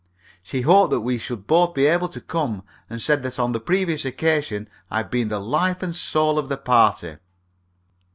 She hoped that we should both be able to come, and said that on the previous occasion I had been the life and soul of the party.